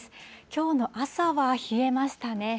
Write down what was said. きょうの朝は冷えましたね。